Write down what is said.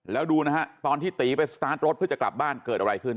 แล้วดูนะฮะตอนที่ตีไปสตาร์ทรถเพื่อจะกลับบ้านเกิดอะไรขึ้น